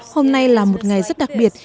hôm nay là một ngày rất đặc biệt